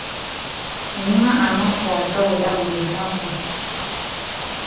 Nywa amazzi agawera buli lunaku.